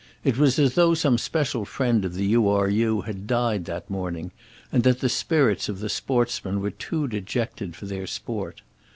It was as though some special friend of the U. R. U. had died that morning, and that the spirits of the sportsmen were too dejected for their sport.